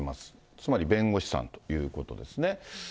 つまり弁護士さんということですね。